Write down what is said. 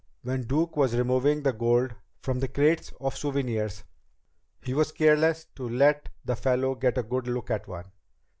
When Duke was removing the gold from the crates of souvenirs, he was careless to let the fellow get a good look at one.